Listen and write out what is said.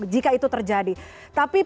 jika itu terjadi tapi